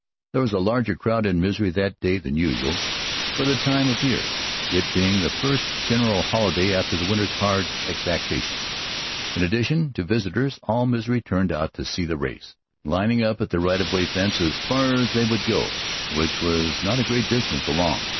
There was a larger crowd in Misery that day than usual for the time of year, it being the first general holiday after the winter's hard exactions. In addition to visitors, all Misery turned out to see the race, lining up at the right of way fence as far as they would go, which was not a great distance along.